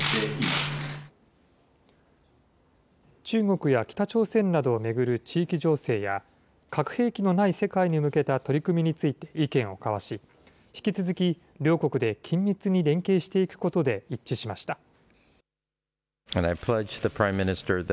中国や北朝鮮などを巡る地域情勢や、核兵器のない世界に向けた取り組みについて意見を交わし、引き続き、両国で緊密に連携していくことで一致しました。